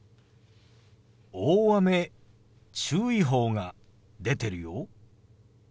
大雨注意報が出てるよ。